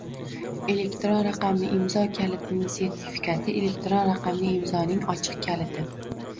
Elektron raqamli imzo kalitining sertifikati elektron raqamli imzoning ochiq kaliti